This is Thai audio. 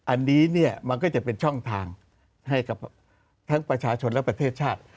อันนี้เนี่ยมันก็จะเป็นช่องทางให้กับทั้งประชาชนและประเทศชาติ